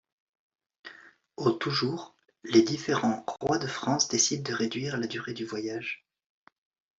Au toujours, les différents rois de France décident de réduire la durée du voyage.